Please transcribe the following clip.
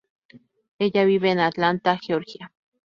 Ella vive en Atlanta, Georgia.